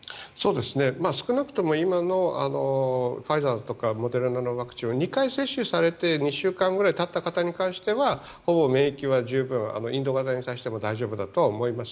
少なくとも今のファイザーとかモデルナのワクチンを２回接種されて２週間ぐらいたった方に関してはほぼ免疫は十分インド型に対しても大丈夫だとは思います。